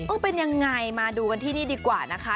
เป็นยังไงมาดูกันที่นี่ดีกว่านะคะ